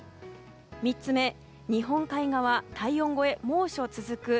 ３つ目日本海側、体温超え猛暑続く。